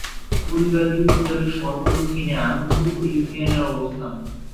ফুলগাজী উপজেলার সর্ব-দক্ষিণে আনন্দপুর ইউনিয়নের অবস্থান।